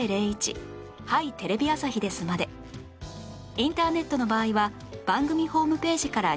インターネットの場合は番組ホームページから入力してください